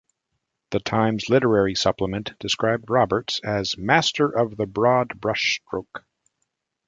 "The Times Literary Supplement" described Roberts as "master of the broad brush-stroke".